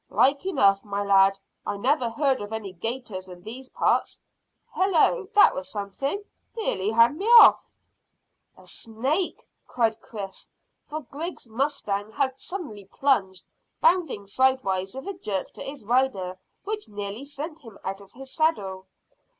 "Like enough, my lad. I never heard of any 'gators in these parts. Hallo! That was something. Nearly had me off." "A snake!" cried Chris, for Griggs' mustang had suddenly plunged, bounding sidewise with a jerk to its rider which nearly sent him out of his saddle.